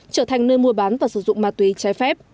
trở thành nơi mua bán và sử dụng ma túy trái phép